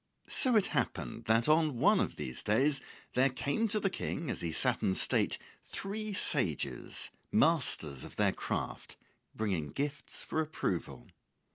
So it happened that on one of these days there came to the King as he sat in state three sages, masters of their craft, bringing gifts for approval.